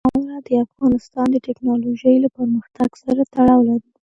خاوره د افغانستان د تکنالوژۍ له پرمختګ سره تړاو لري.